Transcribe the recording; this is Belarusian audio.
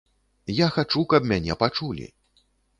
Я хачу, каб мяне пачулі.